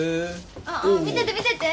あ見せて見せて。